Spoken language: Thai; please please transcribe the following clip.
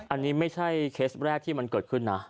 อันนี้ไม่ใช่เคสแรกที่มันเกิดขึ้นนะ